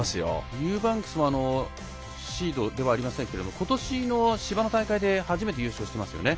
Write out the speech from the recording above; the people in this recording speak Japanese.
ユーバンクスもシードではありませんが今年の芝の大会で初めて優勝していますよね。